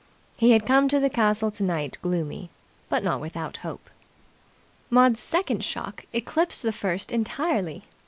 He had come to the castle tonight gloomy, but not without hope. Maud's second shock eclipsed the first entirely.